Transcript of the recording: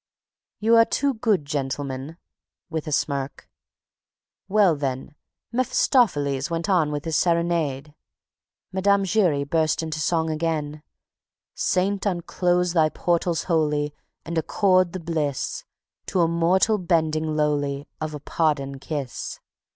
"You are too good, gentlemen," with a smirk. "Well, then, Mephistopheles went on with his serenade" Mme. Giry, burst into song again "'Saint, unclose thy portals holy and accord the bliss, to a mortal bending lowly, of a pardon kiss.'